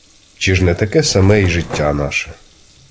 Чи ж не таке саме й життя наше?